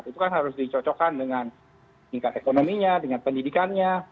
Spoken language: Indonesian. itu kan harus dicocokkan dengan tingkat ekonominya dengan pendidikannya